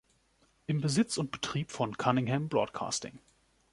Im Besitz und Betrieb von Cunningham Broadcasting.